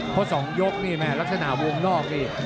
เพราะ๒ยกนี่แม่ลักษณะวงนอกนี่